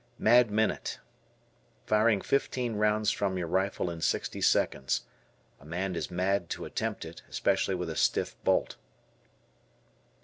"Mad Minute." Firing fifteen rounds from your rifle in sixty seconds. A man is mad to attempt it, especially with a stiff bolt.